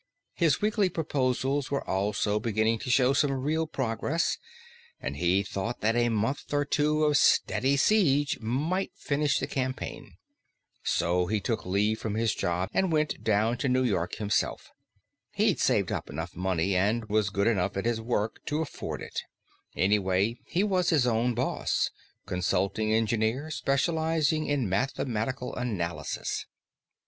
His weekly proposals were also beginning to show some real progress, and he thought that a month or two of steady siege might finish the campaign. So he took leave from his job and went down to New York himself. He'd saved up enough money, and was good enough in his work, to afford it; anyway, he was his own boss consulting engineer, specializing in mathematical analysis.